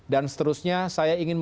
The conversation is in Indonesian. dan seterusnya saya ingin